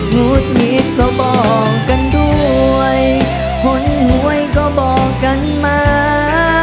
หุดหงิดก็บอกกันด้วยคนหวยก็บอกกันมา